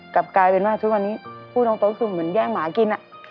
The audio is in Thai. กลับกลายเป็นว่าทุกวันนี้พูดตรงโต๊ะคือเหมือนแย่งหมากิน